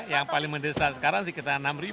yang paling mendesak sekarang sekitar enam ribu gitu